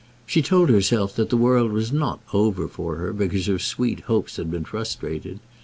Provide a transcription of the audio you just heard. She told herself that the world was not over for her because her sweet hopes had been frustrated.